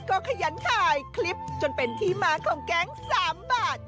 ก็ขยันถ่ายคลิปจนเป็นที่มาของแก๊ง๓บาท